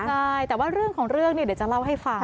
ใช่แต่ว่าเรื่องของเรื่องเนี่ยเดี๋ยวจะเล่าให้ฟัง